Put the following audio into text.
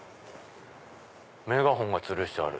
メガホンがつるしてある。